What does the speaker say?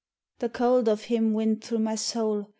The cowld of him wint through my sowl.